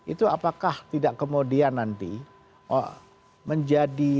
itu apakah tidak kemudian nanti menjadi